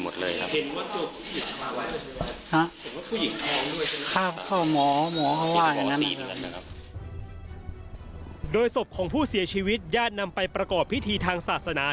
โดยศพของผู้เสียชีวิตญาตินำไปประกอบพิธีทางศาสนา